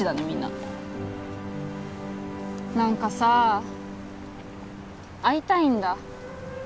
みんな何かさ会いたいんだ